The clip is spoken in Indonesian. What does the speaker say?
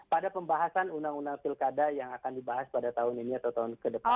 pada pembahasan undang undang pilkada yang akan dibahas pada tahun ini atau tahun ke depan